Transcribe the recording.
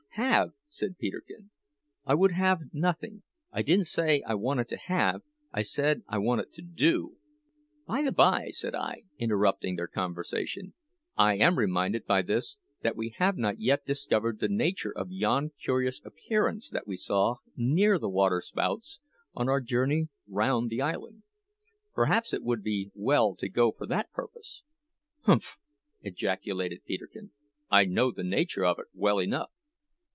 "Have?" said Peterkin. "I would have nothing. I didn't say I wanted to have; I said that I wanted to do." "By the bye," said I, interrupting their conversation, "I am reminded by this that we have not yet discovered the nature of yon curious appearance that we saw near the waterspouts on our journey round the island. Perhaps it would be well to go for that purpose." "Humph!" ejaculated Peterkin, "I know the nature of it well enough."